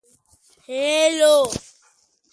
When Schneider was five years old his father passed away.